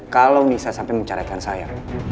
kalau nisa sampai mencarikan saya